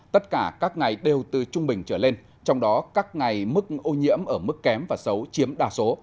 tất cả các ngày đều từ trung bình trở lên trong đó các ngày mức ô nhiễm ở mức kém và xấu chiếm đa số